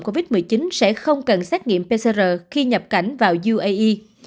covid một mươi chín sẽ không cần xét nghiệm pcr khi nhập cảnh vào uae